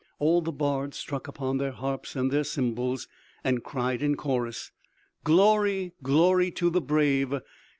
All the bards struck upon their harps and their cymbals, and cried in chorus: "Glory, glory to the brave!